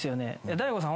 大悟さん